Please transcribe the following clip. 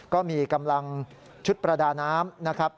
ก็มีกำลังชุดประดาน้ำ